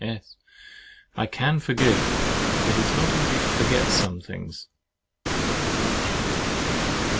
S. I can forgive; but it is not easy to forget some things! H.